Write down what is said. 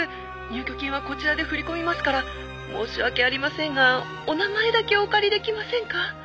「入居金はこちらで振り込みますから申し訳ありませんがお名前だけお借り出来ませんか？」